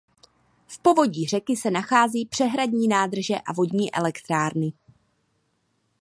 V povodí řeky se nacházejí přehradní nádrže a vodní elektrárny.